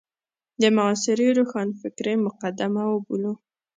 د معاصرې روښانفکرۍ مقدمه وبولو.